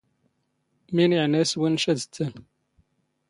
ⵎⵉⵏ ⵉⵄⵏⴰ ⵉⵙⵡⵉ ⵏⵏⵛ ⴰⴷⵜⵜⴰⵏ?